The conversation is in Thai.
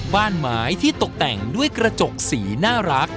บ้านไม้ที่ตกแต่งด้วยกระจกสีน่ารัก